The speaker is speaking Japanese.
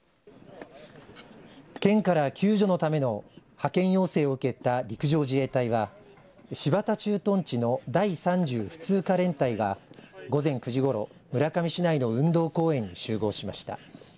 県から救助のための派遣要請を受けた陸上自衛隊は新発田駐屯地の第３０普通科連隊が午前９時ごろ村上市内の運動公園に集合しました。